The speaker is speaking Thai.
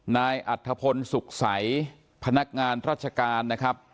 นายอัธพลสุขใสพนักงานราชการนะครับ